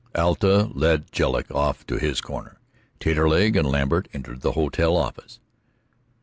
Alta led Jedlick off to his corner; Taterleg and Lambert entered the hotel office.